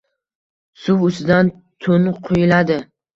Suv ustidan tun quyuladi.